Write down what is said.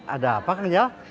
ada apa kang jah